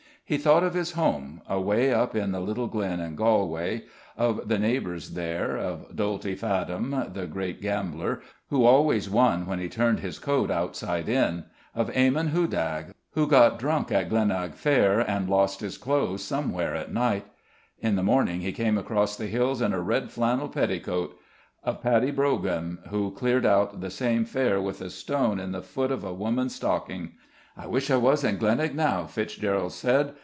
He thought of his home, away up a little glen in Galway, of the neighbours there, of Doalty Fadhan, the great gambler, who always won when he turned his coat outside in, of Eamon Hudagh, who got drunk at Glenagh Fair and lost his clothes somewhere at night; in the morning he came across the hills in a red flannel petticoat; of Paddy Brogan who cleared out the same fair with a stone in the foot of a woman's stocking. "I wish I was in Glenagh now," Fitzgerald said.